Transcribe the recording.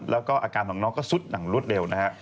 แล้วก็อาการของน้องก็สุดหลั่งรวดเร็วนะครับ